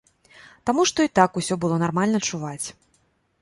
Таму што і так усё было нармальна чуваць.